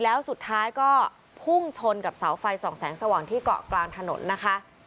แล้วสุดท้ายก็พุ่งชนกับเสาไฟส่องแสงสว่างที่เกาะกลางถนนนะคะ